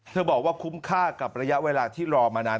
บอกว่าคุ้มค่ากับระยะเวลาที่รอมานาน